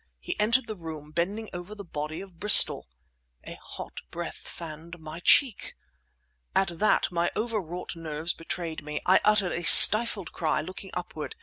He entered the room, bending over the body of Bristol. A hot breath fanned my cheek! At that my overwrought nerves betrayed me. I uttered a stifled cry, looking upward